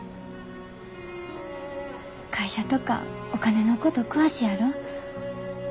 会社とかお金のこと詳しいやろ。